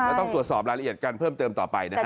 แล้วต้องตรวจสอบรายละเอียดกันเพิ่มเติมต่อไปนะครับ